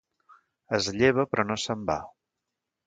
Es lleva, però no se'n va.